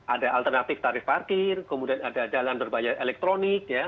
ada alternatif tarif parkir kemudian ada jalan berbayar elektronik ya